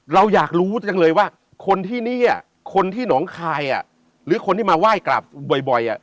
เราอยากรู้จังเลยว่าคนที่นี่คนที่หนองคายหรือคนที่มาไหว้กลับบ่อย